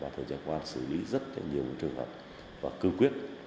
thời gian qua xử lý rất nhiều trường hợp và cương quyết